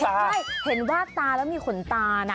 ใจเห็นว่าตาแล้วมีขนตาน่ะ